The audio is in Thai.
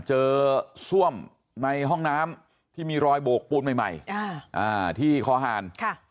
ซ่วมในห้องน้ำที่มีรอยโบกปูนใหม่ที่คอหาร